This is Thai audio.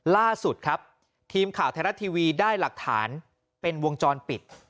ล่าสุดครับทีมข่าวไทยรัฐทีวีได้หลักฐานเป็นวงจรปิด